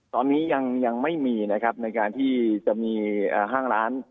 ตอนนี้ยังไม่มีนะครับในการที่จะมีห้างร้าน